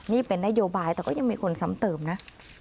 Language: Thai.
นี่เป็นนโยบายแต่ก็ยังมีคนซ้ำเติมนะ